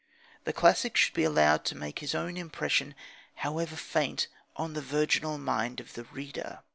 The classic should be allowed to make his own impression, however faint, on the virginal mind of the reader.